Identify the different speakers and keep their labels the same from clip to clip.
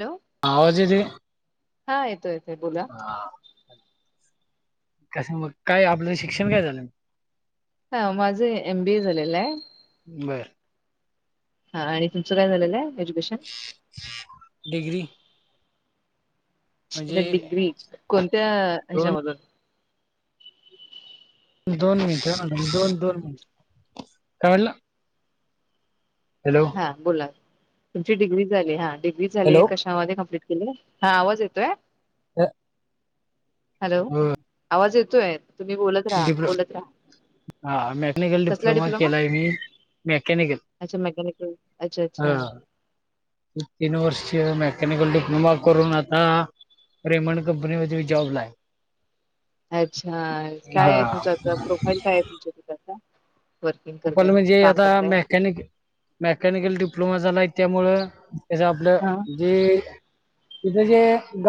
Speaker 1: Hello
Speaker 2: आवाज येतोयं.
Speaker 1: हा येतो येतोय बोला.
Speaker 2: कस मग काय आपलं शिक्षण काय झालं?
Speaker 1: हा माझं एम बी ए झालेलं आहे.
Speaker 2: बरं.
Speaker 1: हा आणि तुमचं काय झालेलं आहे? Education
Speaker 2: degree. म्हणजे
Speaker 1: डिग्री कोणत्या
Speaker 2: दोन
Speaker 1: ह्याच्याम
Speaker 2: दोन मिनिट दोन दोन मिनिट काय म्हटला?
Speaker 1: हा बोला तुमची डिग्री झाली, हा डिग्री झाली हे
Speaker 2: हॅलो.
Speaker 1: कशामध्ये कमप्लीट हा आवाज येतोय.
Speaker 2: [unintelligible]
Speaker 1: हॅलो!
Speaker 2: हो
Speaker 1: आवाज येतोय, तुम्ही बोलत राहा
Speaker 2: डिप्लो
Speaker 1: बोलत राहा.
Speaker 2: हा मेकॅनिकल डिप्लोमा केलाय, मी मेकॅनिकल.
Speaker 1: ह अच्छा
Speaker 2: ह
Speaker 1: अच्छा!
Speaker 2: तीन वर्ष मेकॅनिकल डिप्लोमा करून, आता रेमंड कंपनीमध्ये जॉब ला आहे.
Speaker 1: अच्छा! काय आहे?
Speaker 2: हा
Speaker 1: तुमचा प्र. प्रोफाईल काय आहे. तुमच्या तिकडचा.
Speaker 2: प्रोफाईल म्हणजे, आता मेकॅनिक मेकॅनिकल डिप्लोमा झालायं त्यामुळं [unintelligible] आपलं
Speaker 1: हा
Speaker 2: जे तिथं जे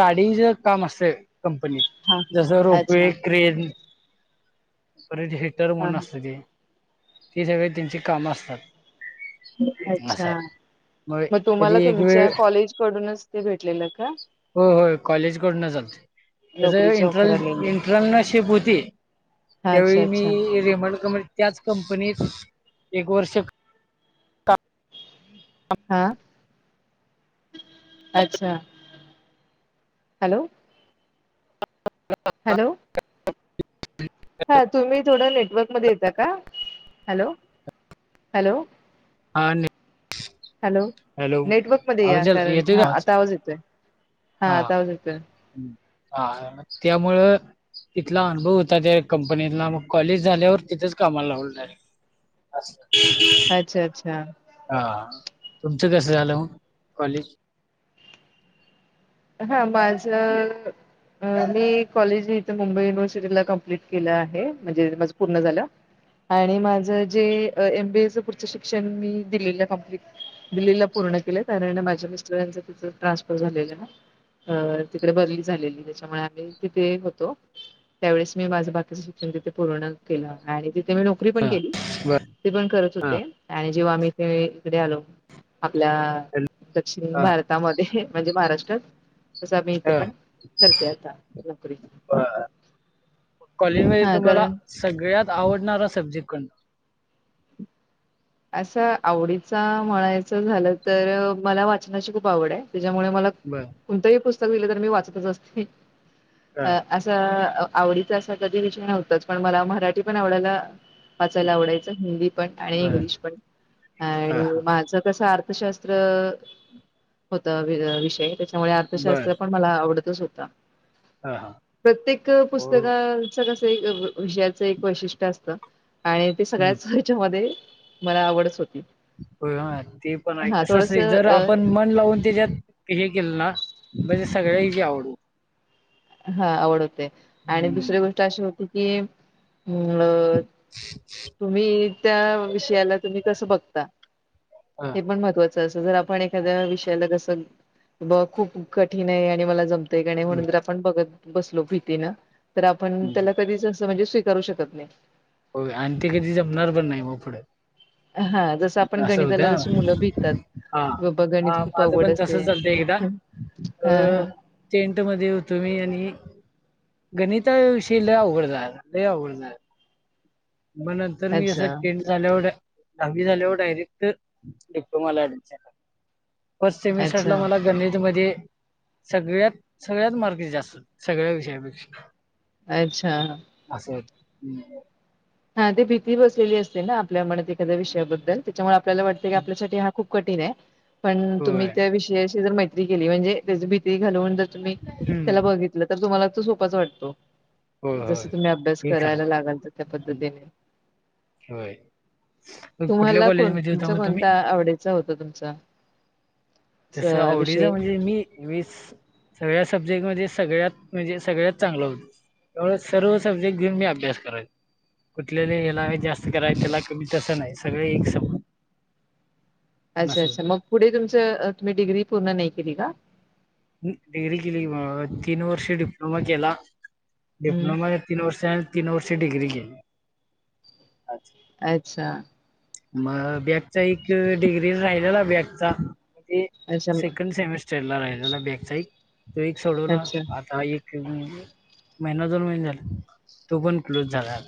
Speaker 2: गाडीचे काम असतयं. कंपनी
Speaker 1: हा हा.
Speaker 2: जसं
Speaker 1: अच्छा
Speaker 2: रोपवे क्रेन. परत हिटर
Speaker 1: हा
Speaker 2: म्हणून,
Speaker 1: हा.
Speaker 2: असतं ते ती सगळे त्यांची कामं असतात. असं
Speaker 1: अच्छा!
Speaker 2: आहे
Speaker 1: मग
Speaker 2: कधी
Speaker 1: तुम्हाला
Speaker 2: एक वेळ
Speaker 1: तुमच्या कॉलेज कडूनच ते भेटलेलं का?
Speaker 2: हो हो कॉलेजकडून आलती
Speaker 1: नोकरीची
Speaker 2: इंट्र
Speaker 1: ऑफर आलेली.
Speaker 2: इंट्रनरशिप होती.
Speaker 1: अच्छा
Speaker 2: त्यावेळी
Speaker 1: अच्छा
Speaker 2: मी रेमंड कंपनीत त्याच कंपनीत एक वर्ष काम
Speaker 1: हा. अच्छा! हॅलो! हॅलो!
Speaker 2: [unintelligible]
Speaker 1: हा तुम्ही थोडं नेटवर्क मध्ये येता, का हॅलो! हॅलो!
Speaker 2: हा ने
Speaker 1: हॅलो!
Speaker 2: हॅलो
Speaker 1: नेटवर्क मध्ये या
Speaker 2: आवाज याला
Speaker 1: कारण,
Speaker 2: येतोय का
Speaker 1: हा आता आवाज येतोय. हा आता आवाज येतोय.
Speaker 2: हा मग त्यामुळं तिथला अनुभव होता. त्या कंपनीतला मग कॉलेज झाल्यावर, तिथेच कामाला लागलो डायरेक्ट. आसं.
Speaker 1: अच्छा! अच्छा!
Speaker 2: हा तुमचं कसं झालं कॉलेज?
Speaker 1: हा माझ ह मी कॉलेज इथे मुंबई युनिव्हर्सिटीला कंप्लीट केलं आहे म्हणजे माझं इथं पूर्ण झालं आणि माझ जे एम. बी. ए. च पुढचं शिक्षण मी दिल्लीला कंप्लीट दिल्लीला पूर्ण केलंय कारण माझ्या मिस्टरांच तिथं ट्रान्सफर झालेलं ना अ तिकडे बदली झालेली त्याच्यामुळे आम्ही तिथे होतो. त्यावेळेस मी माझं बाकीचं शिक्षण तिथे पूर्ण केलं आणि मी ते मी नोकरी पण
Speaker 2: ह
Speaker 1: केली
Speaker 2: बर
Speaker 1: ते पण करत
Speaker 2: हा
Speaker 1: होते आणि जेव्हा आम्ही तेे इकडे आलो आपल्या दक्षिण
Speaker 2: ह
Speaker 1: भारतामध्ये हेःम्हणजे महाराष्ट्रात, तसं आम्ही
Speaker 2: ह
Speaker 1: इथे
Speaker 2: [inaudible]
Speaker 1: पण करते आता नोकरी
Speaker 2: बर. कॉलेज मध्ये
Speaker 1: हा
Speaker 2: तुम्हाला
Speaker 1: कारण
Speaker 2: सगळ्यात आवडणारा सब्जेक्ट कोणता? [inaudible]
Speaker 1: असं आवडीचा म्हणायचं झालं तर मला वाचनाची खूप आवड आहे. त्याच्यामुळे मला
Speaker 2: बर
Speaker 1: कोणतंही पुस्तक दिलं तर मी वाचतच असते हि.
Speaker 2: ह
Speaker 1: असं अ आवडीचा असा कधी विषय नव्हताच पण मला मराठी पण आवडायला वाचायला आवडायचं हिंदी पण आणि
Speaker 2: बर
Speaker 1: इंग्लिश पण
Speaker 2: ह
Speaker 1: आणि
Speaker 2: ह
Speaker 1: माझं तसं अर्थशास्त्र होता विषय त्याच्यामुळे
Speaker 2: बर
Speaker 1: अर्थशास्त्र पण मला आवड तच
Speaker 2: ह ह
Speaker 1: प्रत्येक
Speaker 2: हो
Speaker 1: पुस्तकाच कस ते एक विषयाच एक वैशिष्ट्य असत आणि ते
Speaker 2: हम्म.
Speaker 1: सगळ्याच हेच्यामध्ये मला आवडच होती.
Speaker 2: हो हा ते पण आहे,
Speaker 1: हा
Speaker 2: कस
Speaker 1: थोडस
Speaker 2: असतय जर
Speaker 1: हा
Speaker 2: आपण मन लावून त्याच्यात हे केलं ना म्हणजे सगळ्या हेची आवड होते.
Speaker 1: हा आवड होते आणि दुसरी गोष्ट अशी होती की अ तुम्ही त्या विषयाला तुम्ही कसं बघता हे पण महत्त्वाचं जर आपण एखाद्या विषयाला कस ब खूप कठीण आहे आणि मला जम म्हणून ज आपण बघत बसलो भीतीन तर आपण त्याला कधीच म्हणजे स्वीकारू शकत नाही,
Speaker 2: हो आणि ते कधी जमणार पण नाही मग पुढं,
Speaker 1: हा जस आपण गणिताला जशी मुलं भिततात.
Speaker 2: हा
Speaker 1: बाबा गणित
Speaker 2: हा,
Speaker 1: खूप
Speaker 2: माझं
Speaker 1: आवड
Speaker 2: पण
Speaker 1: असते
Speaker 2: तसच चालतं एकदा अ
Speaker 1: हा हा
Speaker 2: टेंट मध्ये होतो मी आणि, गणिता विषय लय अवघडणार-अवघडणार मग नंतर मी जं
Speaker 1: अच्छा
Speaker 2: टेंट झाल्यावर दहावी झाल्यावर डायरेक्ट डिप्लोमाला अँडमिशन फस् ते मिसटला
Speaker 1: अच्छा
Speaker 2: मला गणितमध्ये सगळ्यात-सगळ्यात मार्क जास्त सगळ्या विषयापेक्षा
Speaker 1: अच्छा,
Speaker 2: [inaudible]
Speaker 1: हा ते भीती बसलेली असते ना आपल्या म्हणत एखाद्या विषयाबद्दल त्याच्यामुळे आपल्याला वाटतं की
Speaker 2: हं,
Speaker 1: आपल्यासाठी हा खूप कठीण आहे पण तुम्ही
Speaker 2: होय.
Speaker 1: त्या विषयाची जर मैत्री केली म्हणजे त्या भी घालून त्
Speaker 2: हं.
Speaker 1: त्याला बघितलं तर तुम्हाला त सोच वाटतो.
Speaker 2: होय, होय.
Speaker 1: जसं तुम्ही अभ्यास
Speaker 2: हे खरं.
Speaker 1: करायला लागाल तर त्या
Speaker 2: हं,
Speaker 1: पद्धतीने
Speaker 2: होय, मग कुठल्या
Speaker 1: तुम्हाला कोण
Speaker 2: कॉलेजमध्ये होता
Speaker 1: तुमचा
Speaker 2: मग तुम्ही?
Speaker 1: कोणता आवडीचा होत तुमचा
Speaker 2: तस
Speaker 1: स-
Speaker 2: आवडीच
Speaker 1: विषय
Speaker 2: म्हणजे मी मी सगळ्या सब्जेक्ट मध्ये सगळ्यात म्हणजे सगळ्यात चांगलं होत त्या सर्व सब्जेक्ट घेऊन मी अभ्यास करायचो. कुठलेले याला जास्त कराय त्याला कमी तसं नाही सगळे एक समज
Speaker 1: अच्छा अच्छा मग पुढे तुमच तुम्ही डिग्री पूर्ण नाही केली का?
Speaker 2: डिग्री केली तीन वर्ष डिप्लोमा केला
Speaker 1: हम्म
Speaker 2: डिप्लोमाच्या तीन वर्ष तीन वर्ष डिग्री गेली,
Speaker 1: अच्छा
Speaker 2: मग बॅगचा एक डिग्री राहिलेला बॅगचा
Speaker 1: अच्छा
Speaker 2: सेकंड सेमेस्टर चढला राहिले बॅगचा एक तो एक सोडवला
Speaker 1: अच्छा
Speaker 2: आता एक महिना दोन महिने झाले तो पण क्लोज झाला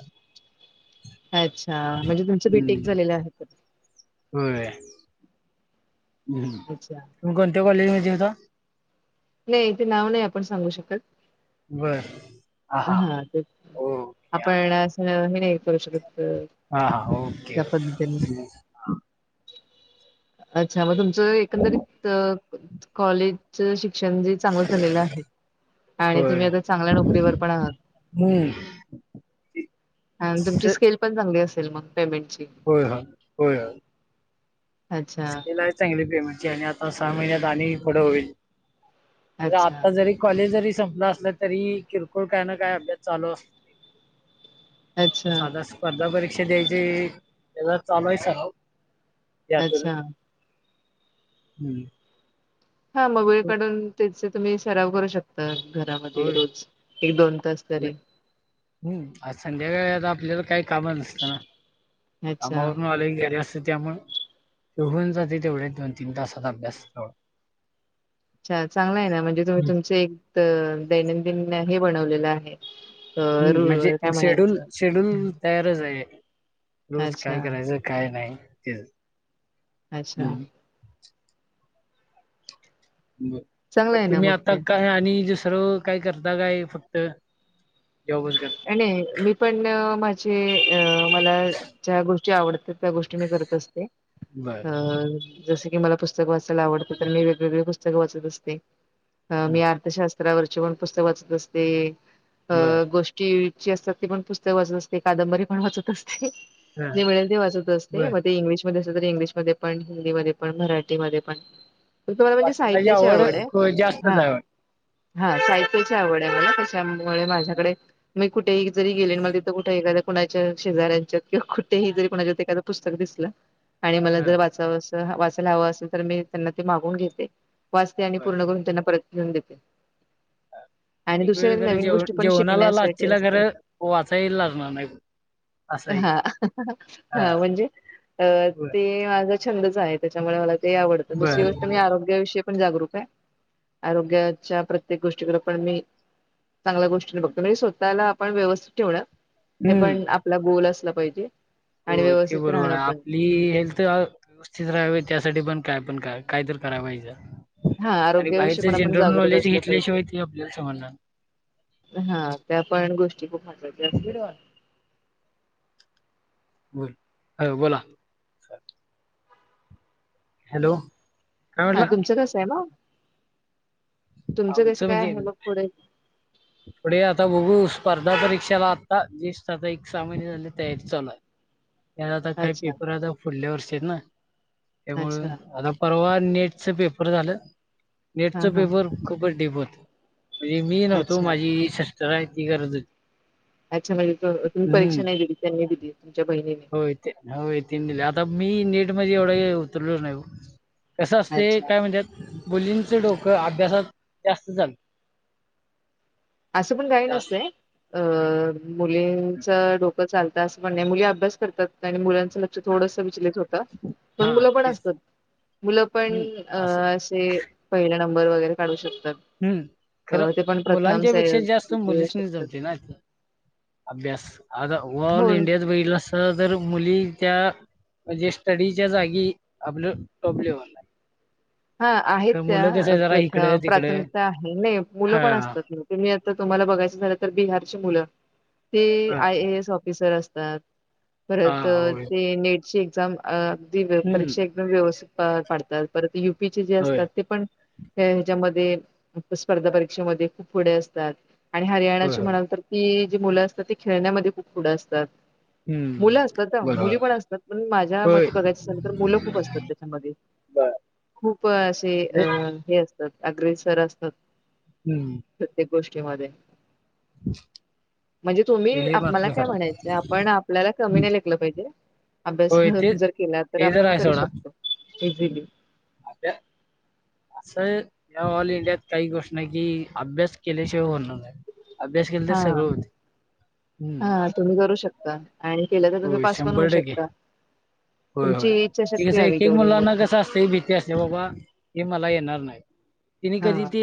Speaker 1: अच्छा म्हणजे तुमच बीटेक झालेले आहे
Speaker 2: हो
Speaker 1: अच्छा
Speaker 2: तुम कोणत्या कॉलेज मध्ये होता
Speaker 1: नाही इथे नाव नाही आपण सांगू शकत
Speaker 2: बर
Speaker 1: हा ते
Speaker 2: ओके हा
Speaker 1: आपण असं हे नाही करू शकत अ,
Speaker 2: हा हा ओके
Speaker 1: त्या पद्धतीने.
Speaker 2: ओके
Speaker 1: अच्छा मग तुमचं एकंदरीत कॉलेज शिक श् चांग झाले आहे आणि
Speaker 2: होय
Speaker 1: तुम्ही आ चांगल्या नोकरीवर पण
Speaker 2: हम्म
Speaker 1: आणि तुमची स्केल पण चांगली असेल मग पेमेंटची.
Speaker 2: हो ह हो
Speaker 1: अच्छा,
Speaker 2: ल आहे चांगली पेमेंटची आणि आता सहा महिन्यात आणि पुढं होईल
Speaker 1: अच्छा,
Speaker 2: आता जरी कॉलेज जरी संपला असलं तरी किरकोळ काय ना काय अभ्यास चालू असत
Speaker 1: अच्छा,
Speaker 2: साधा स्पर्धा परीक्षा द्यायची त्याला चालू आहे सग
Speaker 1: अच्छा
Speaker 2: हम्म
Speaker 1: हा मग वेळ काढून त्याच तुम्ही सराव करू शकता घरामध्ये
Speaker 2: होय
Speaker 1: रोज एक दोन तास
Speaker 2: न-
Speaker 1: तरी
Speaker 2: हम्म आज संध्याकाळी आता आपल्याला काही काम नसतं ना
Speaker 1: अच्छा.
Speaker 2: कामावरून आले की घरी अस त्यामुळे ते होन जाते तेवढे दोन तीन तासात अभ्यास
Speaker 1: अच्छा चांगला आहे ना म्हणजे तुम्ही
Speaker 2: हम्म
Speaker 1: तुमच एक दैनंदिन हे बनवलेलं आहे अ,
Speaker 2: हम्म म्हणजे
Speaker 1: रु काय
Speaker 2: शेड्यूल
Speaker 1: म्हणायचं?
Speaker 2: शेड्यूल तयारच आहे रोज
Speaker 1: अच्छा,
Speaker 2: काय करायचं काय नाही तेज
Speaker 1: अच्छा
Speaker 2: [unintelligible] मग
Speaker 1: चांगलं आहे ना
Speaker 2: तुम्ही
Speaker 1: मग
Speaker 2: आता
Speaker 1: ते.
Speaker 2: काय आणि सर्व काय करता काय फक्त जॉबच करता?
Speaker 1: आणि मी पण माझ मला ज्या गोष्टी आवडत त्या गोष्टी मी करत असते
Speaker 2: बर
Speaker 1: हम [unintelligible] जस की मला पुस्तक वाचायला आवडत तर मी वेगवेगळे पुस्तकं वाचत असते मी
Speaker 2: हं.
Speaker 1: अर्थशास्त्र स्तरावरची पण पुस्तक वाचत असते अ
Speaker 2: बर
Speaker 1: [unintelligible] असतात ते पण पुस्तक वाचत असते कादंबरी पण वाचत असते
Speaker 2: हा
Speaker 1: जे मिळेल ते वाचत असते
Speaker 2: बर
Speaker 1: मग ते इंग् इंग्लिशमध्ये पण हिंदी मधे पण मराठी मधे पण तर तु मला म्हणजे
Speaker 2: वाचनाची
Speaker 1: साहित्याची आवड आहे
Speaker 2: ख- जास्तच
Speaker 1: हा
Speaker 2: आहे वाटतं.
Speaker 1: हा साहित्याची आवड आहे मला कशा त्यामुळे माझ्याकडे मग कुठेही जरीेले आणि मग तथ कुठ एखाद्या कोणाच्या शेजाऱच्यात किंवा कुठेही जरी कोणाच्यात एखाद पुस्तक दिसलं आणि मला
Speaker 2: हा
Speaker 1: जर वाचाव वाचायला हवं असेल तर मी त्यांना ते मागून घेते वाचते आणि
Speaker 2: बर
Speaker 1: पूर्ण करून त्यांना परत नेहून देते आणि दुसऱ्या
Speaker 2: ववेगर
Speaker 1: नवीन
Speaker 2: जेव
Speaker 1: गोष्टी पण
Speaker 2: जेवणाला लाच
Speaker 1: शिकण्यासाठी
Speaker 2: शलागरे
Speaker 1: असतात
Speaker 2: [unintelligible] वाचायला लागनार नाही असं आहे.
Speaker 1: हा हा म्हणजे अ
Speaker 2: बर
Speaker 1: ते छंदच आहे त्याच्यामुळे मला ते आवडतं दुसरी
Speaker 2: बर
Speaker 1: गोष्ट मी आरोग्याविषयी पण जागरूक आहे आरोग्याच्या प्रत्येक गोष्टीकडे पण मी चांगल्या गोष्टीने बघतो म त्याला आपण व्यवस्थित ठेवण हे
Speaker 2: हम्म
Speaker 1: पण आपला गोल असलं पाहिजे. आणि
Speaker 2: होय तेे
Speaker 1: व्यवस्थित
Speaker 2: बरोबर
Speaker 1: राहणं
Speaker 2: आहे
Speaker 1: पण
Speaker 2: आपली हेल्थ व्यवस्थित राहावे त्यासाठी पण काय पण काय काय तर करावायचं.
Speaker 1: हा
Speaker 2: आणि
Speaker 1: आरोग्याविषयी पण
Speaker 2: बाहेरच
Speaker 1: आपण
Speaker 2: जनरल
Speaker 1: जागरूक
Speaker 2: नॉलेज
Speaker 1: असलं पाहिजे
Speaker 2: घेतल्याशिवाय ते आपल्याला समजणार
Speaker 1: हा त्या पण गोष्टी खूप महत्वाच्या असतात
Speaker 2: बोल हो बोला हॅलो. काय
Speaker 1: हा
Speaker 2: म्हटला
Speaker 1: तुमचं कसं आहे मग? तुमचं कसं
Speaker 2: आमचं
Speaker 1: काय
Speaker 2: म्हणजे
Speaker 1: आहे मग पुढे
Speaker 2: पुढे आता बघू स्पर्धा परीक्षाला आता जे आता एक सहा महिने झाली तयारी चालू आहे. त्या आता काही
Speaker 1: अच्छा
Speaker 2: पेपर आता फुढल्या वर्षी आहेत ना त्यामुळे
Speaker 1: अच्छा
Speaker 2: आता परवा नेटचं पेपर झालं नेटच
Speaker 1: हा हा
Speaker 2: पेपर खूपच डिप म्हणजे मी नव्हतो
Speaker 1: अच्छा
Speaker 2: माझी सिस्टर आहे ती करत होती.
Speaker 1: अच्छा म्हणजे तु तुम्ही
Speaker 2: हम्म
Speaker 1: परीक्षा नाही दिली त्यांनी दिली तुमच्या बहिणीने
Speaker 2: हो ते होय त दिल्या आता मी नेट मध्ये एवढं उतरलो नाही कसं असते
Speaker 1: अच्छा
Speaker 2: काय म्हणतात मुलींचं डोक अभ्यासात जास्त चालतं.
Speaker 1: असं पण काय
Speaker 2: जास्त
Speaker 1: नसतय अ मुलींच डोक चालतंय असं मुली अभ्यास करतात मुलांचं लक्ष थोडस विचारत होत पण
Speaker 2: हां
Speaker 1: मुलं पण
Speaker 2: तेच.
Speaker 1: असतात मुलं पण
Speaker 2: हं. असं
Speaker 1: असे पहिल्यांदा नंबर वगैरे काढू शकतात
Speaker 2: हं. खरं
Speaker 1: ते पण स्पर्धा
Speaker 2: मुलांच्या पेक्षा जास्त मुलीसनी जमते ना अभ्यास आता
Speaker 1: हो
Speaker 2: ओव्हऑल इंडियात बघीतल अस तर मी त्या म्हजे स्टडीच्या जागी आपलं टॉप लेवलला हाय.
Speaker 1: हा आहेत, त्या प्रथ
Speaker 2: तिकडं
Speaker 1: प्राथमिक ते आहे, नाही मुलं पण
Speaker 2: हां.
Speaker 1: असतात तुम्ही आता तुम्हाला बघायच झालं तर बिहारची मुलं ते
Speaker 2: हां.
Speaker 1: आय. ए. एस. ऑफिसर असतात परत
Speaker 2: हां. होय.
Speaker 1: ते नेटचे जाऊन अगदी
Speaker 2: हं.
Speaker 1: परीक्षा एकदम व्यवस्थित पाडतात परत यू पी, जे
Speaker 2: होय.
Speaker 1: असतात ते पण त्या ह्याच्यामध्ये फक्त स्पर्धा परीक्षेमध्ये खूप पुढे असतात. आणि
Speaker 2: होय,
Speaker 1: हरियाणाची
Speaker 2: होय.
Speaker 1: म्हणाल तर की जी मुलं असतात ते खेळण्यामध्ये खूप पुढं असतात.
Speaker 2: हम्म
Speaker 1: मुलं असतात ना, मुली पण असतात, पण माझ्या
Speaker 2: होय.
Speaker 1: मते बघायचं झालं तर मुलं खूप असतात त्याच्यामध्ये
Speaker 2: बर
Speaker 1: खूप असे, अ हे, असतात अग्रेसर असतात.
Speaker 2: हम्म
Speaker 1: गोष्टी मध्ये
Speaker 2: हम [unintelligible]
Speaker 1: म्हणजे तुम्ही, मला काय म्हणायचं आपण आपल्याला कमी
Speaker 2: आहे.
Speaker 1: नाही लेखलं पाहिजे. अभ्यास
Speaker 2: होय ते
Speaker 1: खरं जर केला तर
Speaker 2: ते जर
Speaker 1: आपण
Speaker 2: आहे
Speaker 1: करू
Speaker 2: सोडा
Speaker 1: शकतो इझिली.
Speaker 2: ह असं, या ऑल इंडियात काही गोष्ट नाही की, अभ्यास केल्याशिवाय होणार नाय अभ्यास केला तर
Speaker 1: हा
Speaker 2: सगळं होते, हम्म
Speaker 1: हा तुम्ही करू शकता आणि केलं तर, तुम्ही
Speaker 2: होय
Speaker 1: पास पण होऊ
Speaker 2: शंभर टक्के
Speaker 1: शकता.
Speaker 2: होय,
Speaker 1: तुमची
Speaker 2: होय ते
Speaker 1: इच्छाशक्ती
Speaker 2: कसं,
Speaker 1: हवी
Speaker 2: एक एक
Speaker 1: तेवढी
Speaker 2: मुलांना
Speaker 1: मोठी
Speaker 2: कसं असतय, भीती असते, बाबा, हे मला येणार नाही. तिने,
Speaker 1: हा
Speaker 2: कधी ते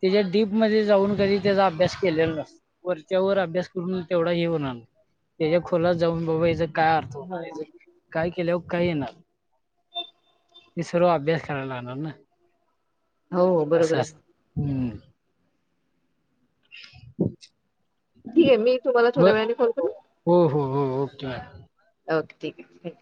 Speaker 2: त्याच्या डीप मध्ये जाऊन कधी त्याचा अभ्यास केलेला नसतो, वरच्या वर अभ्यास करून तेवढा हे होणार त्याच्या खोलात जाऊन बाबा याचा काय अर्थ
Speaker 1: हा.
Speaker 2: होणार, हयाचं काय केल्यावर काय येणार? ते सर्व अभ्यास करायला लागणार ना?
Speaker 1: हो हो
Speaker 2: असं,
Speaker 1: बरोबर आहे
Speaker 2: असं हम्म
Speaker 1: ठीक आहे, मी एक तुम्हाला
Speaker 2: ब
Speaker 1: थोड्या वेळाने कॉल करू?
Speaker 2: हो, हो, ओके
Speaker 1: बघते